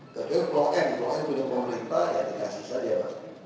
ketika klonen klonen sudah memerintah ya tidak susah jalan